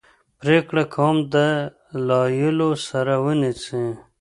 پرېکړه کوم دلایلو سره ونیسي.